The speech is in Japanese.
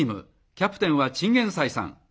キャプテンはチンゲンサイさん